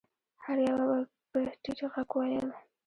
هر يوه به په ټيټ غږ ويل.